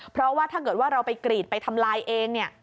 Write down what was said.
เพราะว่าถ้าเกิดว่าเราไปกรีดไปทำลายเองเนี่ย